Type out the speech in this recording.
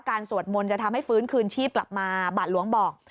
สวดมนต์จะทำให้ฟื้นคืนชีพกลับมาบาทหลวงบอก